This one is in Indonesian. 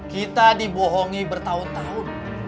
kita dibohongi bertahun tahun